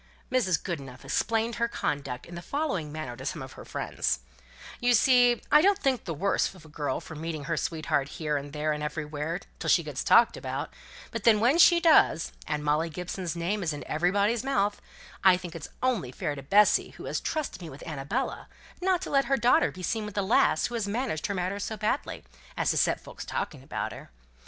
Mrs. Goodenough explained her conduct in the following manner to some of her friends: "You see, I don't think the worse of a girl for meeting her sweetheart here and there and everywhere, till she gets talked about; but then when she does and Molly Gibson's name is in everybody's mouth I think it's only fair to Bessy, who has trusted me with Annabella not to let her daughter be seen with a lass who has managed her matters so badly as to set folk talking about her.